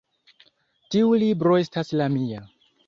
Tiu libro estas la mia